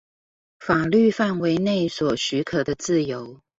法律範圍內所許可的自由